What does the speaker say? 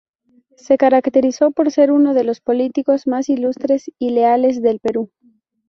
Se caracterizó por ser uno de los políticos más ilustres y leales del Perú.